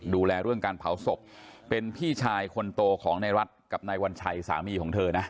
ดูแลเรื่องการเผาศพเป็นพี่ชายคนโตของในรัฐกับนายวัญชัยสามีของเธอนะ